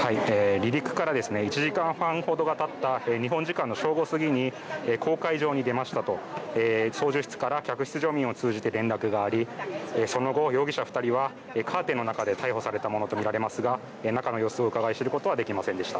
離陸から１時間半ほどがたった日本時間の正午過ぎに公海上に出ましたと操縦室から客室乗務員を通じて連絡がありその後、容疑者２人はカーテンの中で逮捕されたものと見られますが中の様子をうかがい知ることはできませんでした。